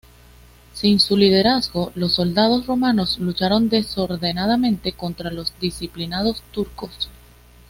Sin su liderazgo, los soldados romanos lucharon desordenadamente contra los disciplinados turcos.